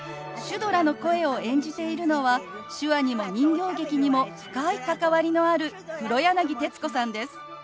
シュドラの声を演じているのは手話にも人形劇にも深い関わりのある黒柳徹子さんです。